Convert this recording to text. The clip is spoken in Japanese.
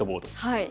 はい。